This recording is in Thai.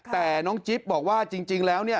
แต่น้องจิ๊บบอกว่าจริงแล้วเนี่ย